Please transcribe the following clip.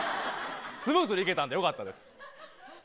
スムーズにいけたんで良かったです。